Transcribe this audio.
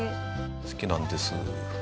好きなんです。